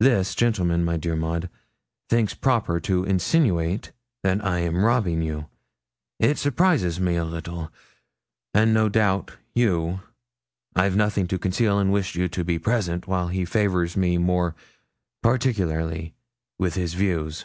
'This gentleman, my dear Maud, thinks proper to insinuate that I am robbing you. It surprises me a little, and, no doubt, you I've nothing to conceal, and wished you to be present while he favours me more particularly with his views.